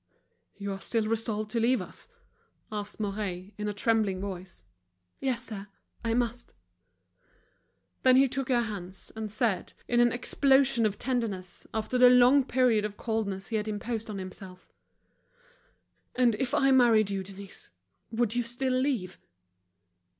"You are still resolved to leave us?" asked Mouret, in a trembling voice. "Yes, sir. I must." Then he took her hands, and said, in an explosion of tenderness, after the long period of coldness he had imposed on himself: "And if I married you, Denise, would you still leave?"